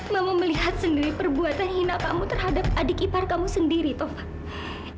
mama melihat sendiri perbuatan hina pakmu terhadap adik ipar kamu sendiri tova